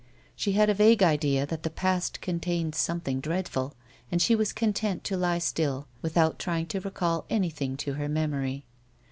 She had a vague idea that the past contained something dreadful, and she was content to lie still without trying to recall anything to her memory.